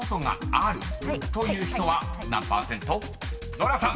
［ノラさん］